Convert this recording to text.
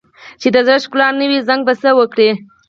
چې د زړه ښکلا نه وي، زنګ به څه وکړي؟